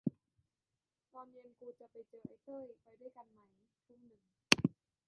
ตอนเย็นกูจะไปเจอไอ้เต้ย ไปด้วยกันไหม ทุ่มนึง